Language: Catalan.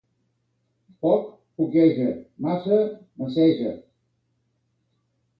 Poc, poqueja; massa, masseja.